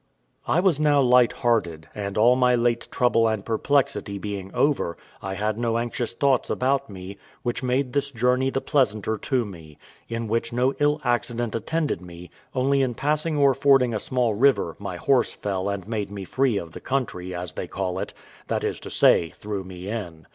I was now light hearted, and all my late trouble and perplexity being over, I had no anxious thoughts about me, which made this journey the pleasanter to me; in which no ill accident attended me, only in passing or fording a small river, my horse fell and made me free of the country, as they call it that is to say, threw me in.